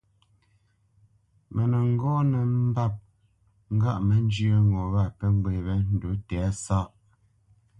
Mə nə́ ŋgɔ́ nə́ mbâp ŋgâʼ mə́ njyə́ ŋo wâ pə́ ŋgwê wé ndǔ tɛ̌sáʼ,